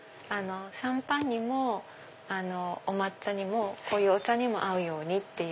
シャンパンにもお抹茶にもこういうお茶にも合うように。